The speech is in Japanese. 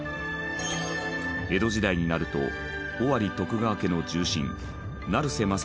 江戸時代になると尾張徳川家の重臣成瀬正成が城主に。